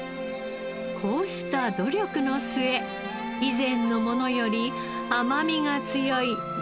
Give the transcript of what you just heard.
こうした努力の末以前のものより甘みが強い難波ネギが完成。